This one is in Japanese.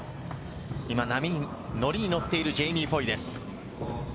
今、波に、乗りに乗っているジェイミー・フォイです。